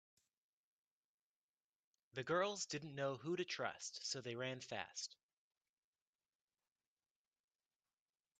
The girls didn’t know who to trust so they ran fast.